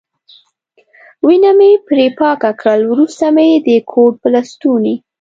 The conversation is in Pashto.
وینه مې پرې پاکه کړل، وروسته مې د کوټ په لستوڼي.